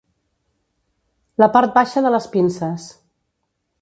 La part baixa de les pinces.